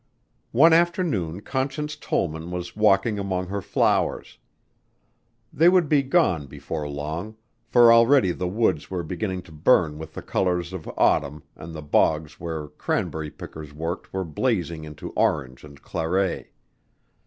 One afternoon Conscience Tollman was walking among her flowers. They would be gone before long, for already the woods were beginning to burn with the colors of autumn and the bogs where cranberry pickers worked were blazing into orange and claret.